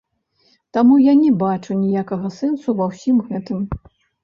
Таму я не бачу ніякага сэнсу ва ўсім гэтым.